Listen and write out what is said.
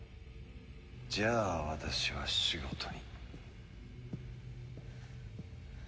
じゃあ私は仕事に。